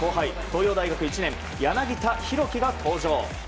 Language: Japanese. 東洋大学１年、柳田大輝が登場。